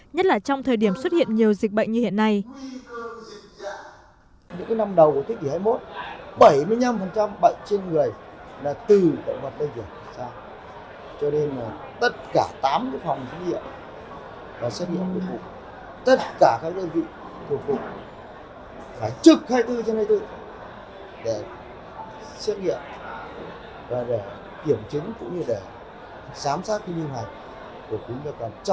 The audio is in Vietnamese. nhất là trong thời điểm xuất hiện nhiều dịch bệnh như hiện nay